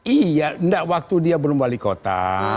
iya enggak waktu dia belum wali kota